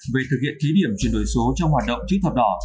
về thực hiện ký điểm chuyển đổi số trong hoạt động chứ thập đỏ